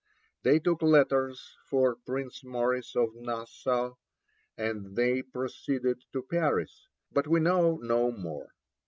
They took letters for Prince Maurice of Nassau, and they proceeded to Paris, but we know no more.